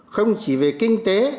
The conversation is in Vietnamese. không chỉ về kinh tế